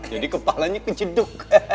jadi kepalanya kejeduk